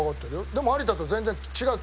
でも有田と全然違う。